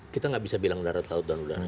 kita nggak bisa bilang darat laut dan udara